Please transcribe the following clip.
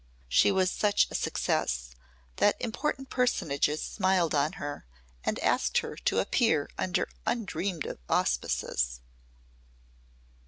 She was such a success that important personages smiled on her and asked her to appear under undreamed of auspices.